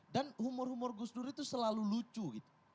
dan humor humor gus dur itu selalu lucu gitu